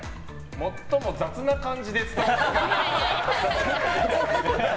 最も雑な感じで使われる。